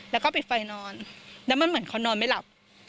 แล้วก็ปิดไฟนอนแล้วมันเหมือนเขานอนไม่หลับ